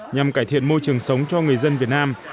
nhằm cải thiện môi trường sống cho người dân việt nam